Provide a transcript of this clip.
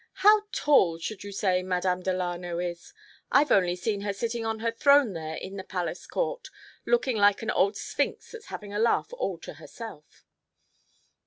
How tall should you say Madame Delano is? I've only seen her sitting on her throne there in the Palace Court lookin' like an old Sphinx that's havin' a laugh all to herself."